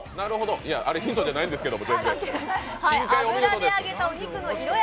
あれ、ヒントじゃないんですけど。